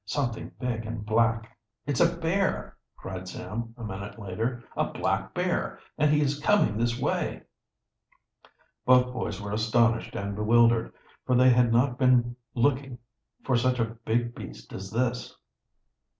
"Something big and black." "It's a bear!" cried Sam, a minute later. "A black bear! And he is coming this way!" Both boys were astonished and bewildered, for they had not been looking for such a big beast as this.